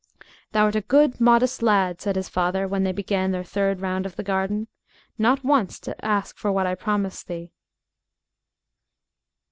"Thou'rt a good, modest lad," said his father when they began their third round of the garden, "not once to ask for what I promised thee."